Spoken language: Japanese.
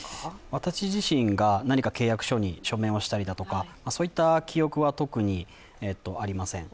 私自身が何か契約書に署名をしたりだとかそういった記憶はありません。